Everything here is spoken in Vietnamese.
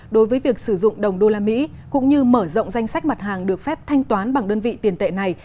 đối với việc sử dụng đồng đô la mỹ cũng như mở rộng danh sách mặt hàng được phép thanh toán bằng đơn vị tiền tệ này